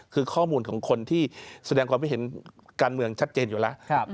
คือข้อมูลของคนที่แสดงความคิดเห็นการเมืองชัดเจนอยู่แล้ว